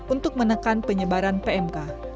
untuk menekan penyebaran pmk